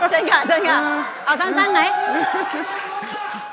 เชิญค่ะเชิญค่ะเอาสั้นไหม